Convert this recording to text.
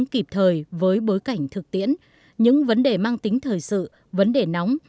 kịp thời với bối cảnh thực tiễn những vấn đề mang tính thời sự vấn đề nóng